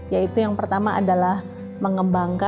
yaitu yang pertama adalah mengembangkan